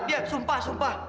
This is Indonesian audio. dia sumpah sumpah